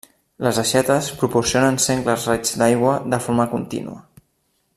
Les aixetes proporcionen sengles raigs d'aigua de forma contínua.